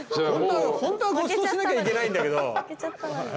ホントはごちそうしなきゃいけないんだけど。